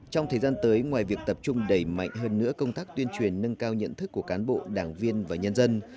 trong thời gian tới ngoài việc tập trung đẩy mạnh hơn nữa công tác tuyên truyền nâng cao nhận thức của cán bộ đảng viên và nhân dân